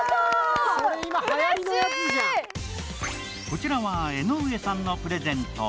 こちらは江上さんのプレゼント